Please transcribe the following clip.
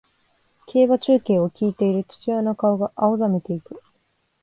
競馬中継を聞いている父親の顔が青ざめていく